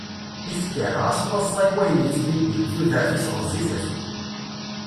Ifker, ɣas ma ẓẓay wayen yettbibbi, tudert-is ɣezzifet.